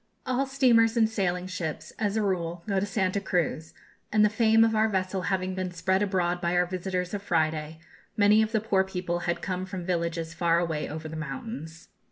All steamers and sailing ships, as a rule, go to Santa Cruz; and the fame of our vessel having been spread abroad by our visitors of Friday, many of the poor people had come from villages far away over the mountains.